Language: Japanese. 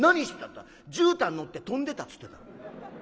ったら『じゅうたん乗って飛んでた』つってたろ。